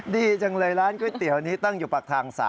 ดีจังเลยร้านก๋วยเตี๋ยวนี้ตั้งอยู่ปากทาง๓